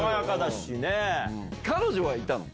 彼女はいたの？